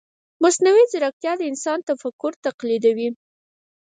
مصنوعي ځیرکتیا د انسان تفکر تقلیدوي.